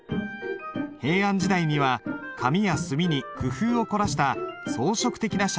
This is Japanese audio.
平安時代には紙や墨に工夫を凝らした装飾的な写経が作られました。